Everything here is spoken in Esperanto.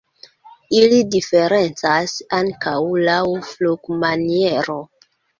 Ili diferencas ankaŭ laŭ flugmaniero.